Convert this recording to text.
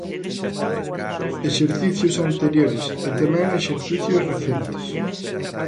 Exercicios anteriores e tamén exercicios recentes.